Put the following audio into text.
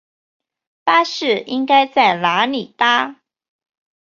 巴士应该在哪里搭？